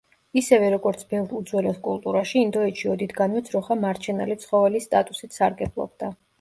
ისევე, როგორც ბევრ უძველეს კულტურაში, ინდოეთში ოდითგანვე ძროხა მარჩენალი ცხოველის სტატუსით სარგებლობდა.